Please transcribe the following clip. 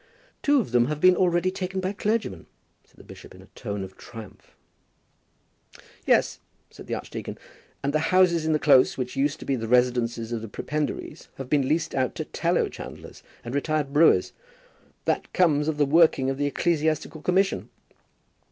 "Two of them have been already taken by clergymen," said the bishop, in a tone of triumph. "Yes," said the archdeacon, "and the houses in the Close which used to be the residences of the prebendaries have been leased out to tallow chandlers and retired brewers. That comes of the working of the Ecclesiastical Commission."